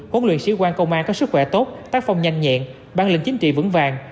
huấn luyện sĩ quan công an có sức khỏe tốt tác phong nhanh nhẹn bản lĩnh chính trị vững vàng